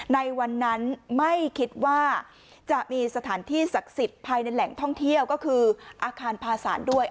ในวันนั้นไม่คิดว่าจะมีสถานที่ศักดิ์สิทธิ์ภายในแหล่งท่องเที่ยวก็คืออาคารพาสารด้วย